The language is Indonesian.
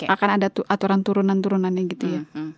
akan ada aturan turunan turunannya gitu ya